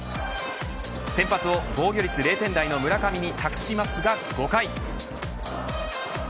先発を防御率０点台の村上に託しますが５回。